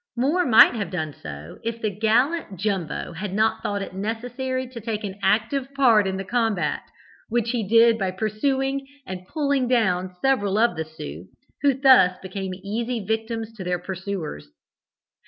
More might have done so if the gallant Jumbo had not thought it necessary to take an active part in the combat, which he did by pursuing and pulling down several of the Sioux, who thus became easy victims to their pursuers.